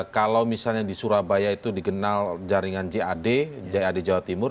kalau misalnya di surabaya itu dikenal jaringan jad jad jawa timur